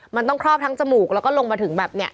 มันต้องครอบทั้งจมูกแล้วก็ลงมาถึงแบบเนี่ย